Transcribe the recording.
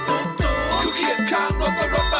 โถโถโถไอ้ทีมงาน